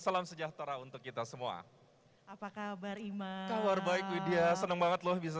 salam sejahtera untuk kita semua apa kabar ima kabar baik widya seneng banget loh bisa